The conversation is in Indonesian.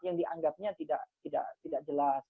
yang dianggapnya tidak jelas